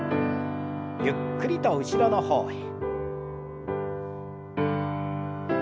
ゆっくりと後ろの方へ。